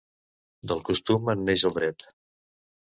Del costum en neix el dret.